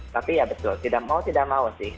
tapi ya betul tidak mau tidak mau sih